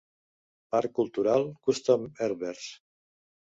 Parc cultural Custom-Elbers.